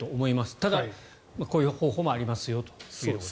ただ、こういう方法もありますよということです。